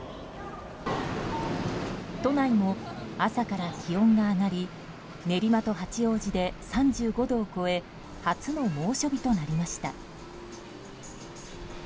都内も朝から気温が上がり練馬と八王子で３５度を超え初の猛暑日となりました。